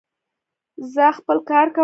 ځاا خپل کار کوه